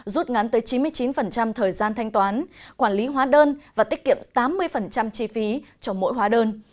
rút ngắn tới chín mươi chín thời gian thanh toán quản lý hóa đơn và tích kiệm tám mươi chi phí cho mỗi hóa đơn